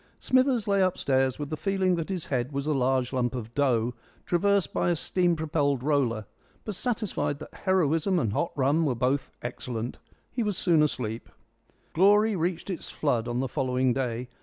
Smithers lay upstairs, with the feeling that his head was a large lump of dough traversed by a steam propelled roller, but satisfied that heroism and hot rum were both excellent. He was soon asleep. Glory reached its flood on the following day.